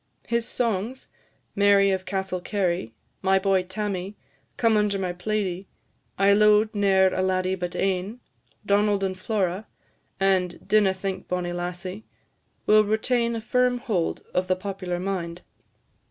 His songs, "Mary of Castlecary," "My boy, Tammie," "Come under my plaidie," "I lo'ed ne'er a laddie but ane," "Donald and Flora," and "Dinna think, bonnie lassie," will retain a firm hold of the popular mind.